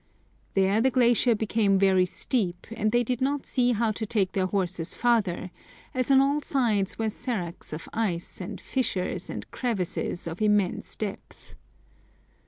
There the glacier became very steep, and they did not see how to take their horses farther, as on all sides were seracs of ice, and fissures and crevasses of immense depth.